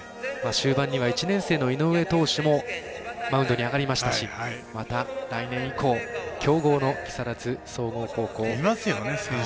終盤には１年生の井上投手もマウンドに上がりましたしまた来年以降強豪の木更津総合高校。